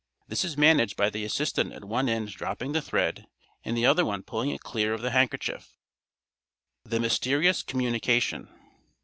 This is managed by the assistant at one end dropping the thread and the other one pulling it clear of the handkerchief. The Mysterious Communication.